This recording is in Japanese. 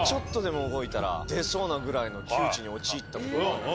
なぐらいの窮地に陥ったことがあって。